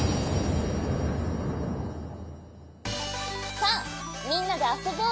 さあみんなであそぼう！